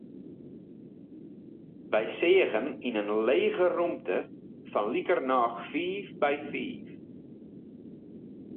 Wy seagen yn in lege rûmte fan likernôch fiif by fiif.